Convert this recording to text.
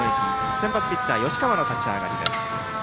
先発ピッチャー吉川の立ち上がり。